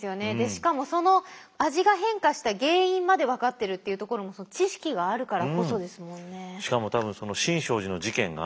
しかもその味が変化した原因まで分かってるっていうところも知識があるからこそですもんね。